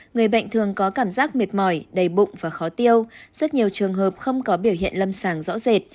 người bệnh thường có cảm giác mệt mỏi đầy bụng và khó tiêu rất nhiều trường hợp không có biểu hiện lâm sàng rõ rệt